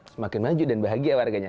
semakin maju dan bahagia warganya